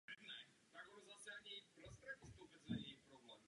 Pracoval jako předseda finančního výboru.